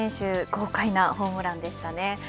豪快なホームランでしたね。